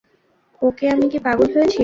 ওকে আমি কি পাগল হয়েছি!